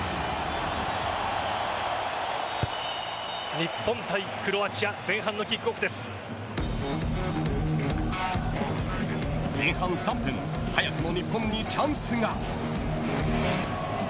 日本対クロアチア前半のキックオフです前半３分早くも日本にチャンスが。